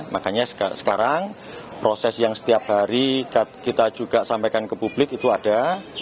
makanya sekarang proses yang setiap hari kita juga sampaikan ke publik itu ada